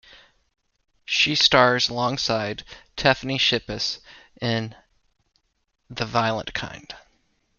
She stars alongside Tiffany Shepis in "The Violent Kind".